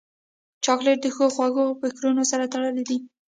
چاکلېټ د ښو خوږو فکرونو سره تړلی دی.